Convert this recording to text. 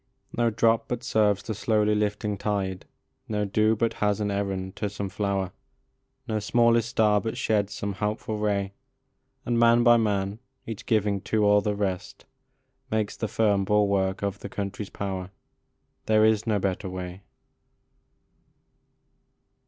No drop but serves the slowly lifting tide, No dew but has an errand to some flower, No smallest star but sheds some helpful ray, And man by man, each giving to all the rest, Makes the firm bulwark of the country s power There is no better way.